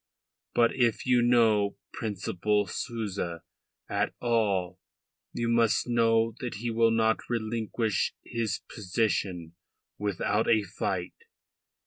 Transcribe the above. But if you know Principal Souza at all, you must know that he will not relinquish his position without a fight.